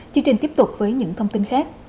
chương trình tiếp tục với những thông tin khác